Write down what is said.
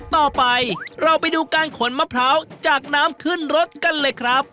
ต่อไปเราไปดูการขนมะพร้าวจากน้ำขึ้นรถกันเลยครับ